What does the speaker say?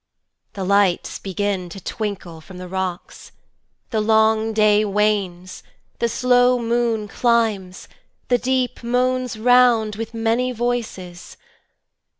The lights begin to twinkle from the rocks:The long day wanes: the slow moon climbs: the deepMoans round with many voices.